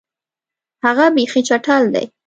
هغه بیخي چټل دی.